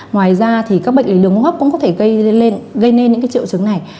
ngoài ra thì các bệnh lý đường hô hấp cũng có thể gây lên những cái triệu chứng này